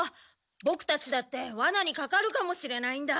ボクたちだってワナにかかるかもしれないんだ。